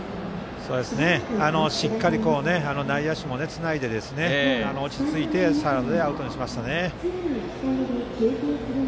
しっかり内野手もつないで落ち着いてサードでアウトにしましたね。